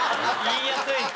言いやすい。